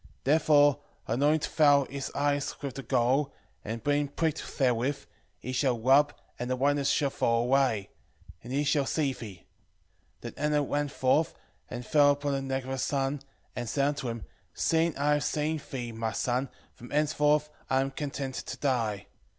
11:8 Therefore anoint thou his eyes with the gall, and being pricked therewith, he shall rub, and the whiteness shall fall away, and he shall see thee. 11:9 Then Anna ran forth, and fell upon the neck of her son, and said unto him, Seeing I have seen thee, my son, from henceforth I am content to die.